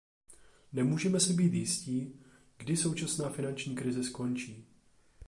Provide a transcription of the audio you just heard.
Nemůžeme si být jistí, kdy současná finanční krize skončí.